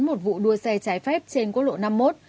một vụ đua xe trái phép trên quốc lộ năm mươi một